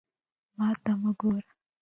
ما ته مه ګوره!